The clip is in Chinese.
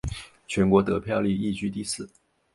全国得票率亦居第四。